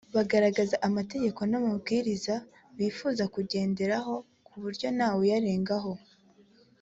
bakagaragaza amategeko n’amabwiriza bifuza kugenderaho ku buryo ntawayarengaho